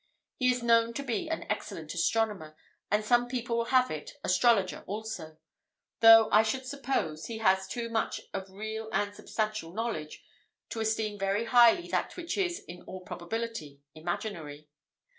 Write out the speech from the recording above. He is known to be an excellent astronomer, and some people will have it, astrologer also; though, I should suppose, he has too much of real and substantial knowledge, to esteem very highly that which is in all probability imaginary.